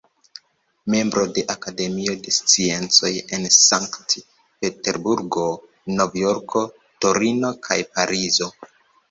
Membro de Akademio de Sciencoj en Sankt-Peterburgo, Nov-Jorko, Torino kaj Parizo.